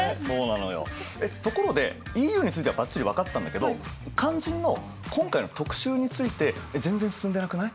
ところでＥＵについてはばっちり分かったんだけど肝心の今回の特集について全然進んでなくない？